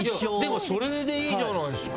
でもそれでいいじゃないっすか。